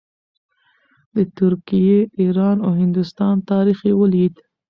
د ترکیې، ایران او هندوستان تاریخ یې ولید.